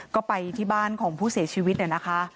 ก็ไปที่บ้านของผู้เสียชีวิตเนี่ยนะคะ